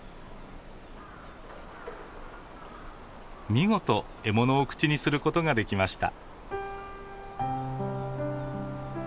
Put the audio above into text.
見事獲物を口にすることができました。